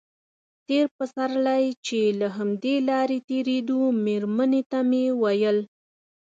تېر پسرلی چې له همدې لارې تېرېدو مېرمنې ته مې ویل.